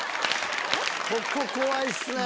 ここ怖いっすね。